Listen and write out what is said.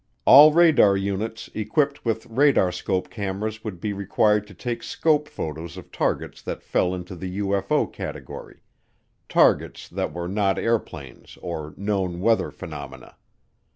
All radar units equipped with radarscope cameras would be required to take scope photos of targets that fell into the UFO category targets that were not airplanes or known weather phenomena.